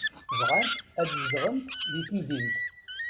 Bɣant ad zedɣent di temdint.